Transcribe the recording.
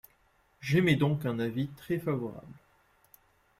J’émets donc un avis très favorable.